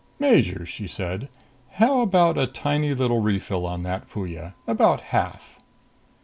"Major," she said, "how about a tiny little refill on that Puya about half?"